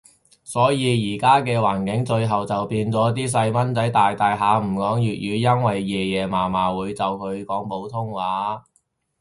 所以依家嘅環境，最後就變咗啲細蚊仔大大下唔講粵語，因為爺爺嫲嫲會就佢講普通話